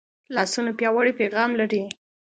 لاسونه پیاوړی پیغام لري